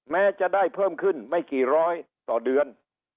แม้จะได้เพิ่มขึ้นไม่กี่ร้อยต่อเดือน